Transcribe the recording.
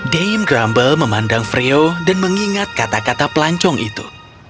dame grumble memandang freo dan mengingat kata kata pelancong itu